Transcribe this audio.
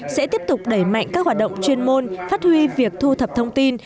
sẽ tiếp tục đẩy mạnh các hoạt động chuyên môn phát huy việc thu thập thông tin